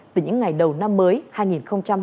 từ những ngày đầu năm mới hai nghìn hai mươi